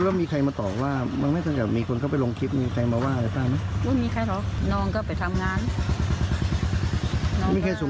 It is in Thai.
แล้วมีใครมาต่อว่าบางงานแรกมีคนเข้าไปลงคลิปมีใครมาว่าอะไรต้อง